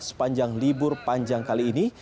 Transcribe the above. sepanjang libur panjang kali ini